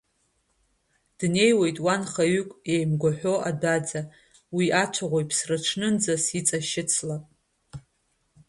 Днеиуеит уа нхаҩык еимгәҳәа адәаӡа, уи Ацәаӷәаҩ ԥсраҽнынӡа сиҵашьыцлап…